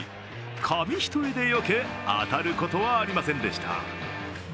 紙一重でよけ、当たることはありませんでした。